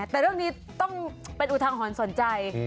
แต่เรื่องนี้ต้องเป็นอุทาหรณ์สนใจ